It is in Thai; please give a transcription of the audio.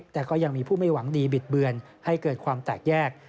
แต่ก็ยังมีผู้ไม่หวังดีบิดเบือนให้เกิดความแตกแยก